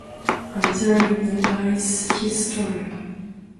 And therein lies his story.